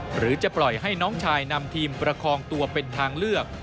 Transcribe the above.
หรือจะปล่อยให้น้องชายนำทีมประคองตัวเป็นทางเลือก